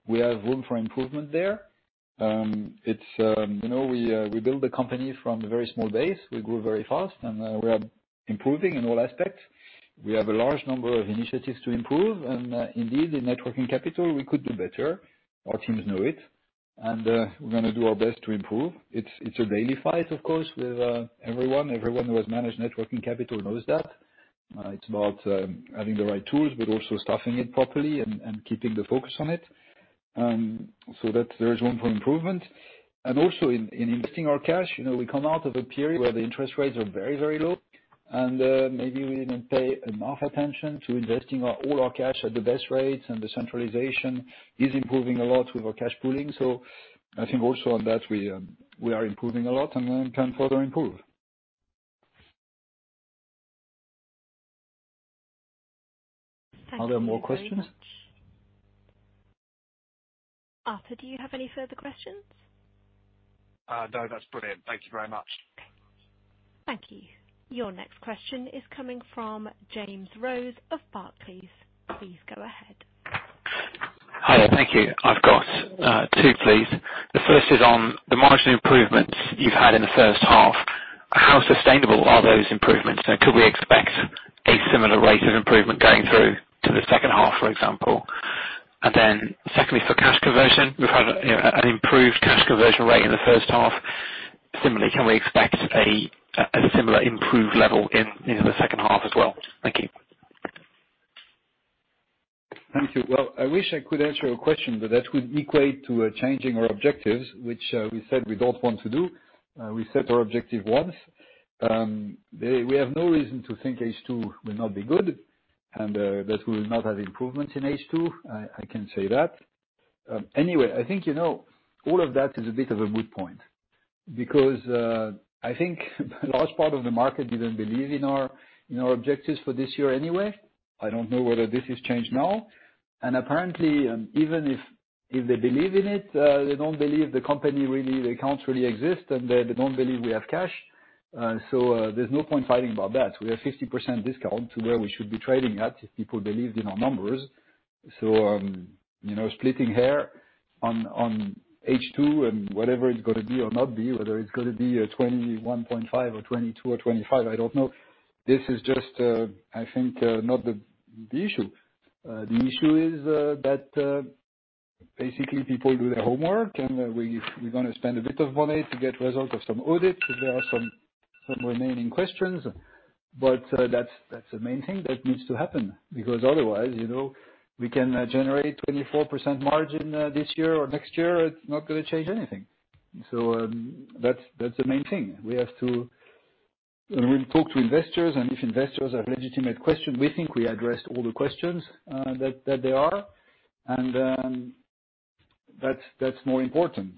we have room for improvement there. We built the company from a very small base. We grew very fast, and we are improving in all aspects. We have a large number of initiatives to improve. And indeed, in working capital, we could do better. Our teams know it. And we're going to do our best to improve. It's a daily fight, of course, with everyone. Everyone who has managed working capital knows that. It's about having the right tools, but also staffing it properly and keeping the focus on it. So there is room for improvement. And also in investing our cash, we come out of a period where the interest rates are very, very low. And maybe we didn't pay enough attention to investing all our cash at the best rates, and the centralization is improving a lot with our cash pooling. So I think also on that, we are improving a lot and can further improve. Are there more questions? Arthur, do you have any further questions? No, that's brilliant. Thank you very much. Okay. Thank you. Your next question is coming from James Rose of Barclays. Please go ahead. Hi, thank you. I've got two, please. The first is on the margin improvements you've had in the first half. How sustainable are those improvements? And could we expect a similar rate of improvement going through to the second half, for example? And then secondly, for cash conversion, we've had an improved cash conversion rate in the first half. Similarly, can we expect a similar improved level in the second half as well? Thank you. Thank you. Well, I wish I could answer your question, but that would equate to changing our objectives, which we said we don't want to do. We set our objective once. We have no reason to think H2 will not be good and that we will not have improvements in H2. I can say that. Anyway, I think all of that is a bit of a moot point because I think a large part of the market didn't believe in our objectives for this year anyway. I don't know whether this has changed now. And apparently, even if they believe in it, they don't believe the company really, the accounts really exist, and they don't believe we have cash. So there's no point fighting about that. We have 50% discount to where we should be trading at if people believed in our numbers. So splitting hair on H2 and whatever it's going to be or not be, whether it's going to be 21.5 or 22 or 25, I don't know. This is just, I think, not the issue. The issue is that basically people do their homework, and we're going to spend a bit of money to get results of some audits if there are some remaining questions. But that's the main thing that needs to happen because otherwise, we can generate 24% margin this year or next year. It's not going to change anything. So that's the main thing. We have to talk to investors. And if investors have legitimate questions, we think we addressed all the questions that there are. And that's more important.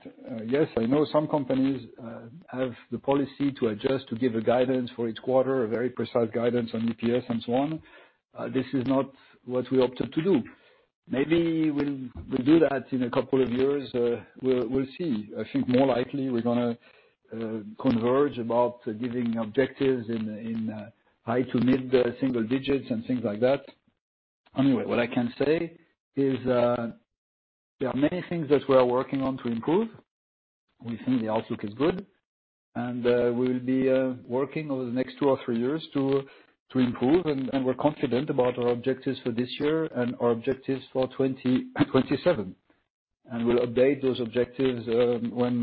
Yes, I know some companies have the policy to adjust, to give a guidance for each quarter, a very precise guidance on EPS and so on. This is not what we opted to do. Maybe we'll do that in a couple of years. We'll see. I think more likely we're going to converge about giving objectives in high- to mid-single digits and things like that. Anyway, what I can say is there are many things that we are working on to improve. We think the outlook is good. We will be working over the next two or three years to improve. We're confident about our objectives for this year and our objectives for 2027. We'll update those objectives when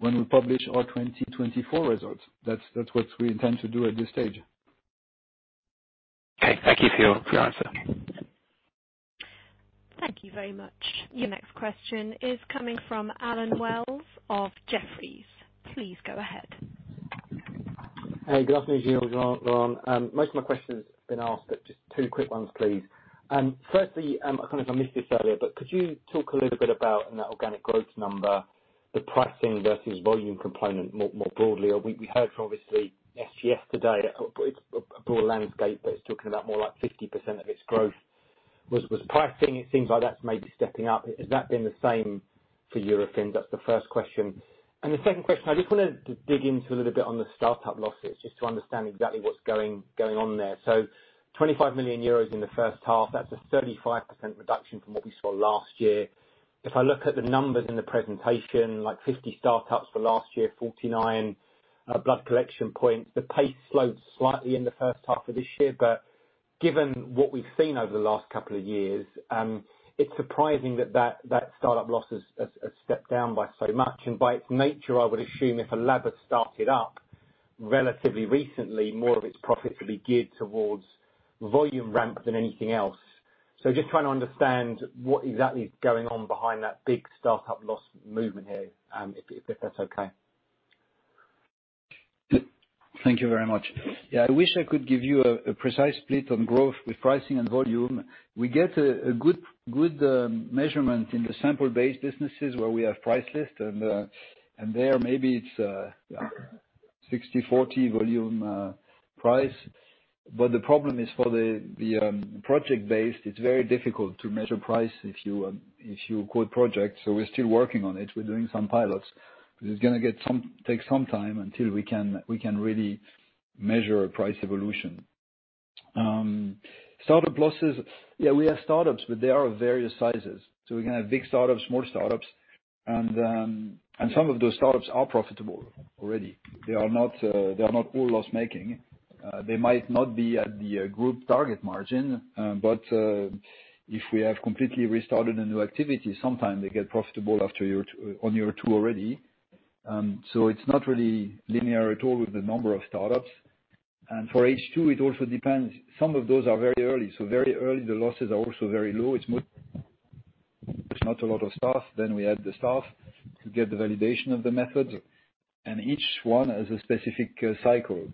we publish our 2024 results. That's what we intend to do at this stage. Okay. Thank you for your answer. Thank you very much. Your next question is coming from Allen Wells of Jefferies. Please go ahead. Hey, good afternoon to you, Laurent. Most of my questions have been asked, but just two quick ones, please. Firstly, I kind of missed this earlier, but could you talk a little bit about in that organic growth number, the pricing versus volume component more broadly? We heard from, obviously, SGS today. It's a broad landscape, but it's talking about more like 50% of its growth was pricing. It seems like that's maybe stepping up. Has that been the same for Europe? That's the first question. And the second question, I just want to dig into a little bit on the startup losses just to understand exactly what's going on there. So 25 million euros in the first half, that's a 35% reduction from what we saw last year. If I look at the numbers in the presentation, like 50 startups for last year, 49 blood collection points, the pace slowed slightly in the first half of this year. But given what we've seen over the last couple of years, it's surprising that that startup loss has stepped down by so much. And by its nature, I would assume if a lab had started up relatively recently, more of its profits would be geared towards volume ramp than anything else. So just trying to understand what exactly is going on behind that big startup loss movement here, if that's okay. Thank you very much. Yeah, I wish I could give you a precise split on growth with pricing and volume. We get a good measurement in the sample-based businesses where we have price lists. And there, maybe it's 60/40 volume price. But the problem is for the project-based, it's very difficult to measure price if you quote projects. So we're still working on it. We're doing some pilots. It's going to take some time until we can really measure price evolution. Startup losses, yeah, we have startups, but they are of various sizes. So we're going to have big startups, small startups. And some of those startups are profitable already. They are not all loss-making. They might not be at the group target margin, but if we have completely restarted a new activity, sometimes they get profitable on year two already. So it's not really linear at all with the number of startups. And for H2, it also depends. Some of those are very early. So very early, the losses are also very low. It's not a lot of staff. Then we add the staff to get the validation of the methods. And each one has a specific cycle.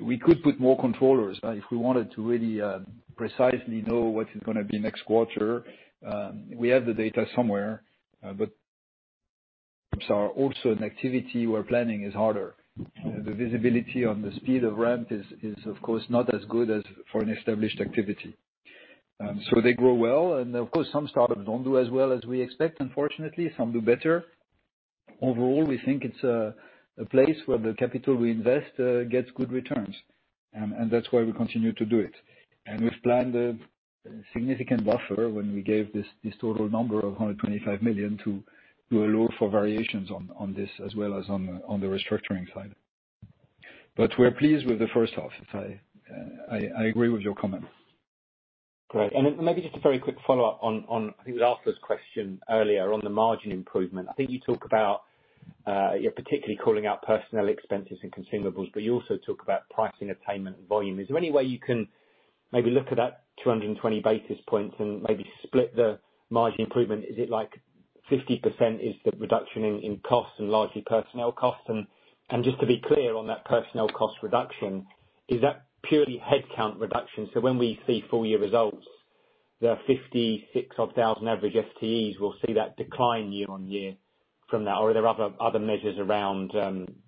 We could put more controllers if we wanted to really precisely know what is going to be next quarter. We have the data somewhere, but startups are also an activity where planning is harder. The visibility on the speed of ramp is, of course, not as good as for an established activity. So they grow well. And of course, some startups don't do as well as we expect, unfortunately. Some do better. Overall, we think it's a place where the capital we invest gets good returns. That's why we continue to do it. We've planned a significant buffer when we gave this total number of 125 million to allow for variations on this as well as on the restructuring side. But we're pleased with the first half. I agree with your comment. Great. And maybe just a very quick follow-up on I think we asked this question earlier on the margin improvement. I think you talk about you're particularly calling out personnel expenses and consumables, but you also talk about pricing attainment and volume. Is there any way you can maybe look at that 220 basis points and maybe split the margin improvement? Is it like 50% is the reduction in costs and largely personnel costs? And just to be clear on that personnel cost reduction, is that purely headcount reduction? So when we see full-year results, the 56,000-odd average FTEs will see that decline year-on-year from that. Or are there other measures around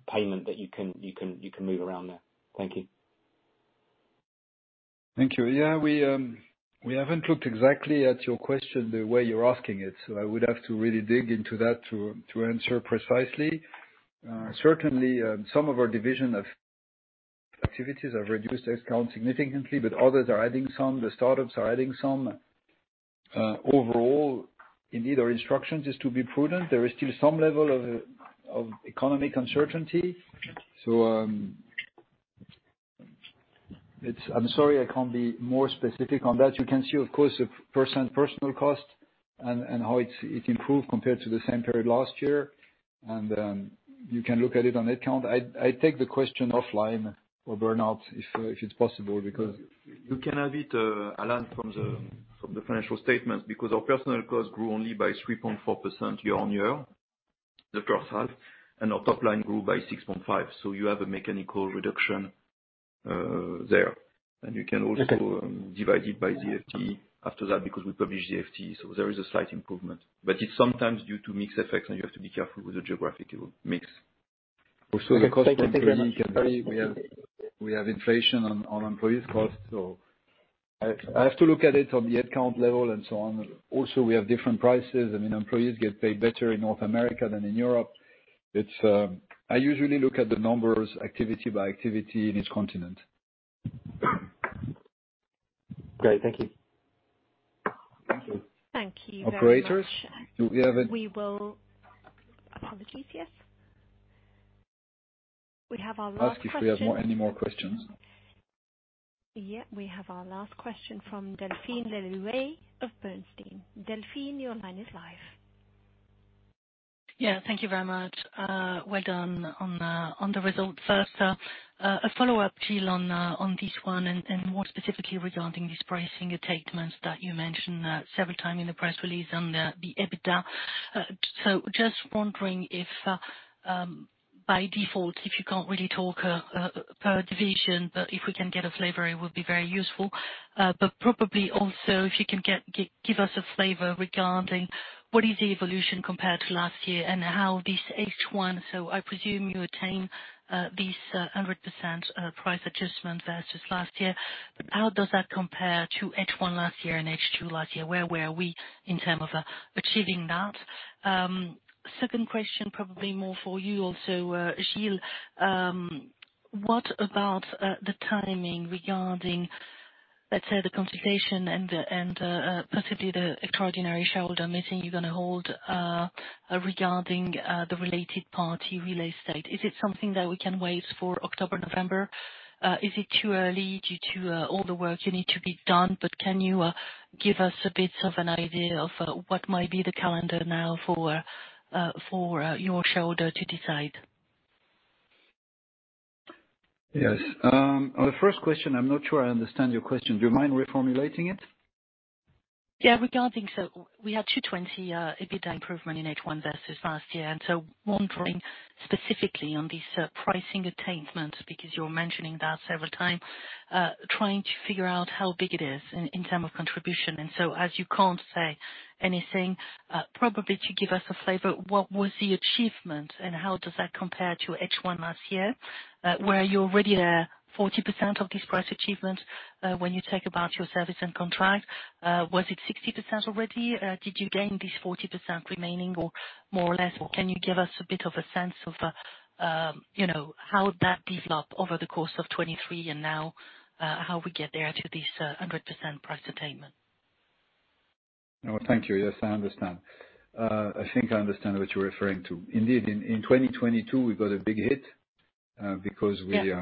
payment that you can move around there? Thank you. Thank you. Yeah, we haven't looked exactly at your question the way you're asking it. So I would have to really dig into that to answer precisely. Certainly, some of our division activities have reduced headcount significantly, but others are adding some. The startups are adding some. Overall, indeed, our instruction is to be prudent. There is still some level of economic uncertainty. So I'm sorry I can't be more specific on that. You can see, of course, the personnel cost and how it improved compared to the same period last year. And you can look at it on headcount. I'll take the question offline and follow-up if it's possible because you can have it, Allen, from the financial statements because our personnel costs grew only by 3.4% year-on-year, the first half, and our top line grew by 6.5%. So you have a mechanical reduction there. You can also divide it by the FTE after that because we publish the FTE. So there is a slight improvement. But it's sometimes due to mix effects, and you have to be careful with the geographical mix. Also, the cost of delivery, we have inflation on employees' costs. So I have to look at it on the headcount level and so on. Also, we have different prices. I mean, employees get paid better in North America than in Europe. I usually look at the numbers activity by activity in each continent. Great. Thank you. Thank you. Operator, we have a. Apologies, yes. We have our last question. Ask if we have any more questions. Yeah, we have our last question from Delphine Le Louët of Bernstein. Delphine, your line is live. Yeah, thank you very much. Well done on the results. A follow-up, Gilles, on this one and more specifically regarding this pricing statements that you mentioned several times in the press release on the EBITDA. So just wondering if by default, if you can't really talk per division, but if we can get a flavor, it would be very useful. But probably also, if you can give us a flavor regarding what is the evolution compared to last year and how this H1, so I presume you attain this 100% price adjustment versus last year. How does that compare to H1 last year and H2 last year? Where were we in terms of achieving that? Second question, probably more for you also, Gilles, what about the timing regarding, let's say, the consultation and possibly the extraordinary shareholder meeting you're going to hold regarding the related party real estate? Is it something that we can wait for October, November? Is it too early due to all the work you need to be done? But can you give us a bit of an idea of what might be the calendar now for your shareholder to decide? Yes. On the first question, I'm not sure I understand your question. Do you mind reformulating it? Yeah, regarding so we had 220 EBITDA improvement in H1 versus last year. And so wondering specifically on this pricing attainment because you're mentioning that several times, trying to figure out how big it is in terms of contribution. And so as you can't say anything, probably to give us a flavor, what was the achievement and how does that compare to H1 last year? Were you already there 40% of this price achievement when you talk about your service and contract? Was it 60% already? Did you gain this 40% remaining or more or less? Or can you give us a bit of a sense of how that developed over the course of 2023 and now how we get there to this 100% price attainment? Thank you. Yes, I understand. I think I understand what you're referring to. Indeed, in 2022, we got a big hit because we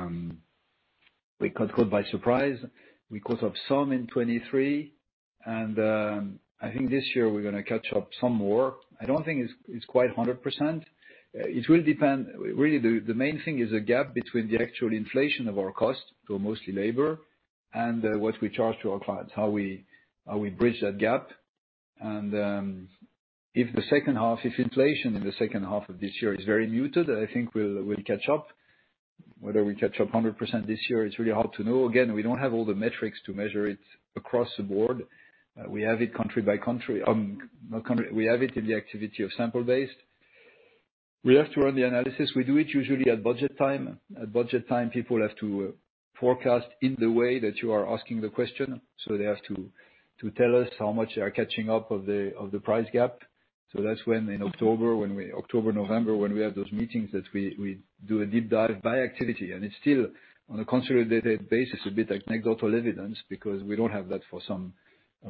got caught by surprise. We caught up some in 2023. I think this year we're going to catch up some more. I don't think it's quite 100%. It will depend. Really, the main thing is a gap between the actual inflation of our cost, so mostly labor, and what we charge to our clients, how we bridge that gap. If the second half, if inflation in the second half of this year is very muted, I think we'll catch up. Whether we catch up 100% this year, it's really hard to know. Again, we don't have all the metrics to measure it across the board. We have it country by country. We have it in the activity of sample-based. We have to run the analysis. We do it usually at budget time. At budget time, people have to forecast in the way that you are asking the question. So they have to tell us how much they are catching up of the price gap. So that's when in October, November, when we have those meetings that we do a deep dive by activity. And it's still on a consolidated basis, a bit of anecdotal evidence because we don't have that for some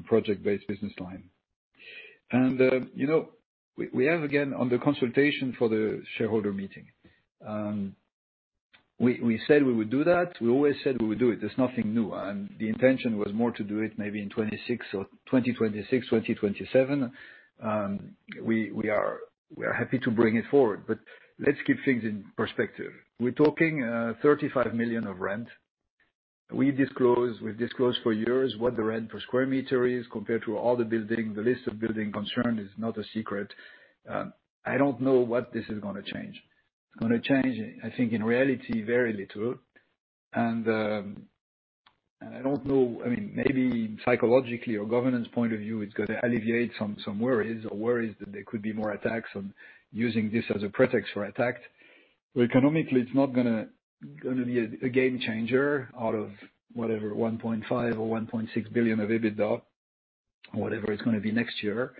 project-based business line. And we have, again, on the consultation for the shareholder meeting. We said we would do that. We always said we would do it. There's nothing new. And the intention was more to do it maybe in 2026, 2027. We are happy to bring it forward. But let's keep things in perspective. We're talking 35 million of rent. We've disclosed for years what the rent per square meter is compared to all the buildings. The list of buildings concerned is not a secret. I don't know what this is going to change. It's going to change, I think, in reality, very little. And I don't know, I mean, maybe psychologically or governance point of view, it's going to alleviate some worries or worries that there could be more attacks on using this as a pretext for attacks. But economically, it's not going to be a game changer out of whatever, 1.5 billion or 1.6 billion of EBITDA, whatever it's going to be next year.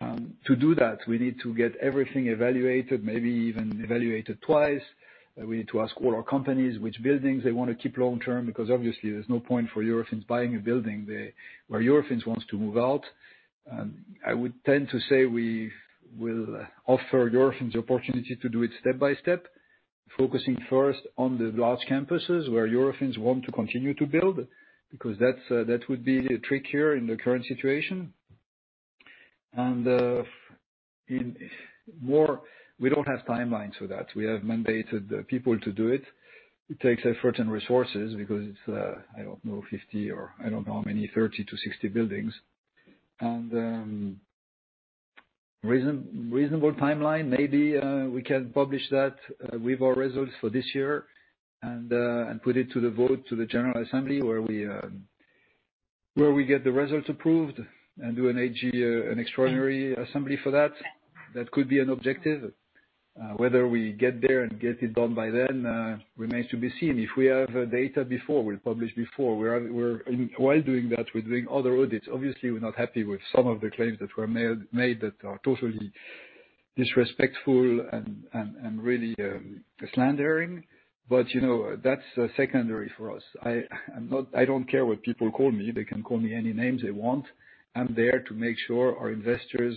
To do that, we need to get everything evaluated, maybe even evaluated twice. We need to ask all our companies which buildings they want to keep long-term because obviously, there's no point for Eurofins buying a building where Eurofins wants to move out. I would tend to say we will offer Eurofins the opportunity to do it step by step, focusing first on the large campuses where Eurofins want to continue to build because that would be the trick here in the current situation. We don't have timelines for that. We have mandated people to do it. It takes effort and resources because it's, I don't know, 50 or I don't know how many, 30-60 buildings. And reasonable timeline, maybe we can publish that with our results for this year and put it to the vote to the General Assembly where we get the results approved and do an extraordinary assembly for that. That could be an objective. Whether we get there and get it done by then remains to be seen. If we have data before, we'll publish before. While doing that, we're doing other audits. Obviously, we're not happy with some of the claims that were made that are totally disrespectful and really slanderous. But that's secondary for us. I don't care what people call me. They can call me any names they want. I'm there to make sure our investors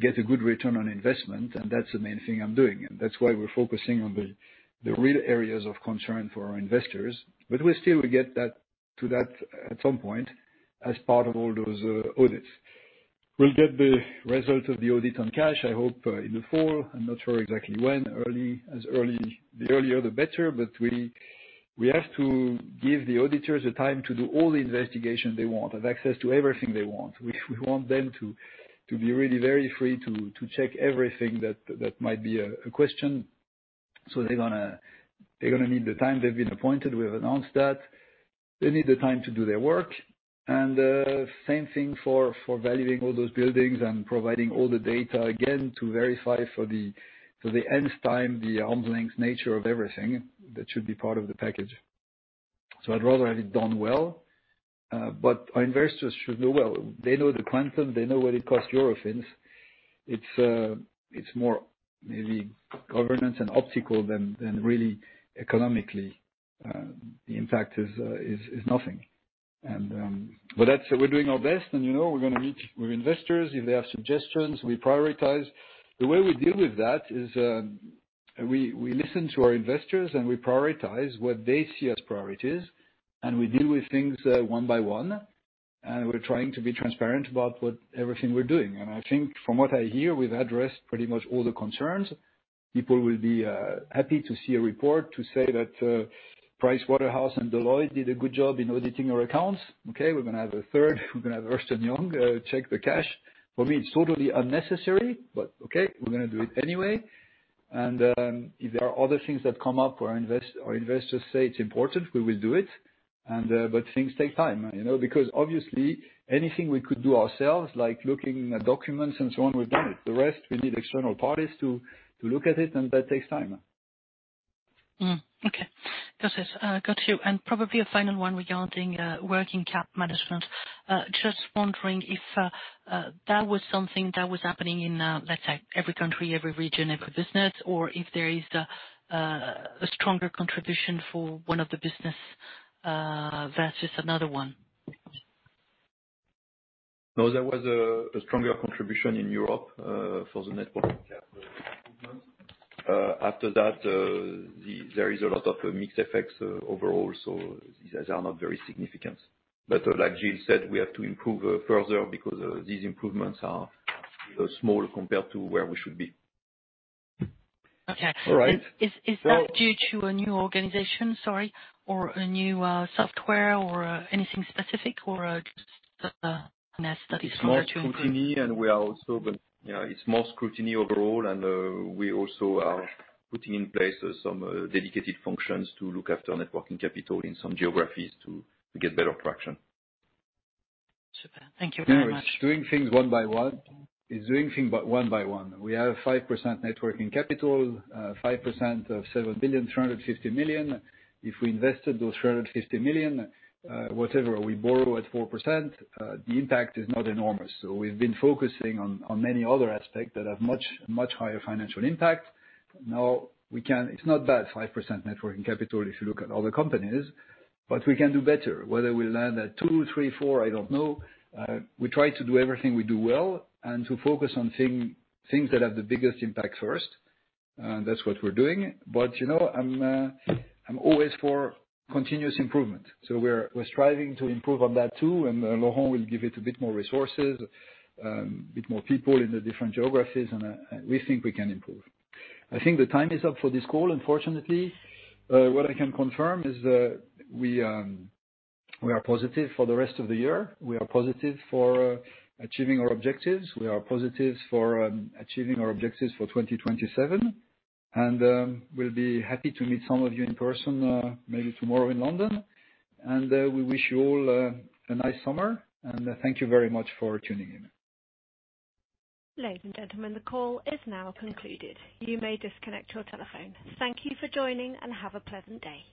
get a good return on investment. And that's the main thing I'm doing. And that's why we're focusing on the real areas of concern for our investors. But we'll still get to that at some point as part of all those audits. We'll get the result of the audit on cash, I hope, in the fall. I'm not sure exactly when. The earlier, the better. But we have to give the auditors the time to do all the investigation they want, have access to everything they want. We want them to be really very free to check everything that might be a question. So they're going to need the time they've been appointed. We've announced that. They need the time to do their work. Same thing for valuing all those buildings and providing all the data again to verify for the end time, the arm's length nature of everything. That should be part of the package. So I'd rather have it done well. But our investors should know well. They know the quantum. They know what it costs Eurofins. It's more maybe governance and optical than really economically. The impact is nothing. But we're doing our best. We're going to meet with investors. If they have suggestions, we prioritize. The way we deal with that is we listen to our investors and we prioritize what they see as priorities. We deal with things one by one. We're trying to be transparent about everything we're doing. I think from what I hear, we've addressed pretty much all the concerns. People will be happy to see a report to say that PricewaterhouseCoopers and Deloitte did a good job in auditing our accounts. Okay, we're going to have a third. We're going to have Ernst & Young check the cash. For me, it's totally unnecessary. But okay, we're going to do it anyway. And if there are other things that come up where our investors say it's important, we will do it. But things take time. Because obviously, anything we could do ourselves, like looking at documents and so on, we've done it. The rest, we need external parties to look at it. And that takes time. Okay. Got it. Got you. And probably a final one regarding working cap management. Just wondering if that was something that was happening in, let's say, every country, every region, every business, or if there is a stronger contribution for one of the businesses versus another one. No, there was a stronger contribution in Europe for the network. After that, there is a lot of mixed effects overall. So these are not very significant. But like Gilles said, we have to improve further because these improvements are small compared to where we should be. Okay. Is that due to a new organization, sorry, or a new software or anything specific or just that is harder to? More scrutiny. We are also. It's more scrutiny overall. We also are putting in place some dedicated functions to look after working capital in some geographies to get better traction. Super. Thank you very much. It's doing things one by one. It's doing things one by one. We have 5% net working capital, 5% of 7 billion, 350 million. If we invested those 350 million, whatever, we borrow at 4%, the impact is not enormous. So we've been focusing on many other aspects that have much, much higher financial impact. Now, it's not bad 5% net working capital if you look at other companies. But we can do better. Whether we land at two, three, four, I don't know. We try to do everything we do well and to focus on things that have the biggest impact first. And that's what we're doing. But I'm always for continuous improvement. So we're striving to improve on that too. And Laurent will give it a bit more resources, a bit more people in the different geographies. And we think we can improve. I think the time is up for this call, unfortunately. What I can confirm is we are positive for the rest of the year. We are positive for achieving our objectives. We are positive for achieving our objectives for 2027. And we'll be happy to meet some of you in person maybe tomorrow in London. And we wish you all a nice summer. And thank you very much for tuning in. Ladies, and gentlemen, the call is now concluded. You may disconnect your telephone. Thank you for joining and have a pleasant day.